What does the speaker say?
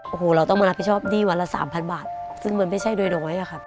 โอ้โหเราต้องมารับผิดชอบหนี้วันละสามพันบาทซึ่งมันไม่ใช่โดยน้อยอะครับ